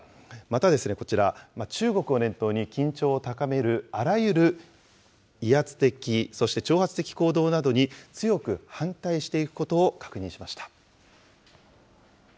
またこちら、中国を念頭に、緊張を高めるあらゆる威圧的、そして挑発的行動などに強く反対していくことを確認しました。